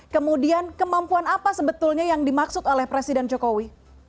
kemudian kemampuan apa sebetulnya yang dimaksud oleh presiden jokowi